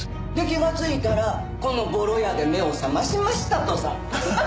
気がついたらこのボロ屋で目を覚ましましたとさ。